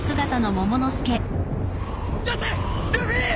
よせルフィ！